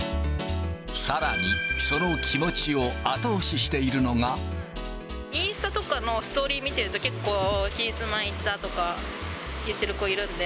さらに、その気持ちを後押しインスタとかのストーリー見てると、結構、期日前行ったとか言ってる子いるんで。